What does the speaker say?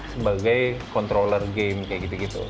tapi kontroler game kayak gitu gitu